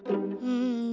うん。